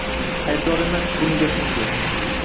Aybdor emas bunga hindu